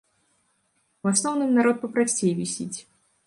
У асноўным народ папрасцей вісіць.